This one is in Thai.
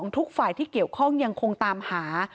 ทุกฝ่ายที่เกี่ยวข้องยังคงตามหา